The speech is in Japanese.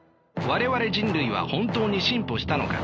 我々人類は本当に進歩したのか。